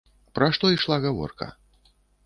Пра што ішла гаворка?